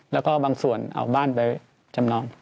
แล้วก็บางส่วนเอาบ้านไปจำนอง